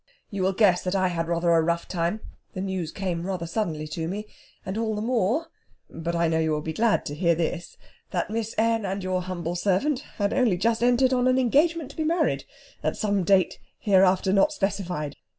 You will guess that I had rather a rough time (the news came rather suddenly to me), and all the more (but I know you will be glad to hear this) that Miss N. and your humble servant had only just entered on an engagement to be married at some date hereafter not specified.